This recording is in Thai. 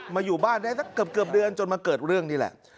อยู่บ้านได้สักเกือบเดือนจนมาเกิดเรื่องนี่แหละ